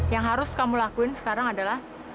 yang harus kamu lakuin sekarang adalah